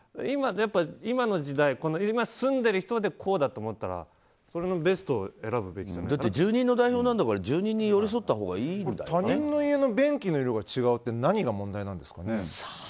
今の時代今住んでいる人でこうだと思ったらそれのベストを住人の代表なんだから住人に寄り添ったほうが他人の色の便器の色が違うって何が問題なんですかね。